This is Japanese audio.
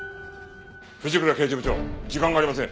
藤倉刑事部長時間がありません。